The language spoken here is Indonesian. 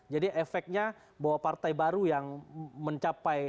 jadi efeknya bahwa partai baru yang mencapai